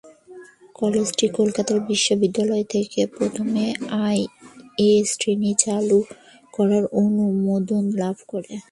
কলেজটি কলকাতা বিশ্ববিদ্যালয় থেকে প্রথমে আই.এ শ্রেণি চালু করার অনুমোদন লাভ করে।